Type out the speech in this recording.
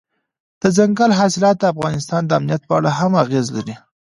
دځنګل حاصلات د افغانستان د امنیت په اړه هم اغېز لري.